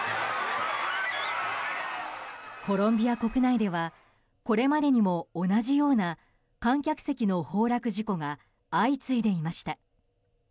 コロンビア国内ではこれまでにも、同じような観客席の崩落事故が相次いでいました。